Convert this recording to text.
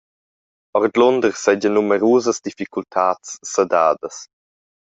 Ordlunder seigien numerusas difficultads sedadas.